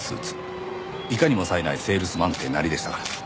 いかにもさえないセールスマンってなりでしたから。